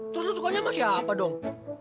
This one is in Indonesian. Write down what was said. terus lo sukanya sama siapa dong